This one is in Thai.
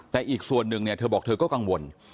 แต่อีกส่วนหนึ่งเนี่ยเธอบอกเธอก็กังวล